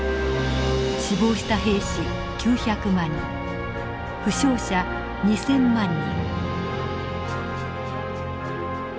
死亡した兵士９００万人負傷者２，０００万人。